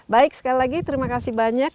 baik sekali lagi terima kasih banyak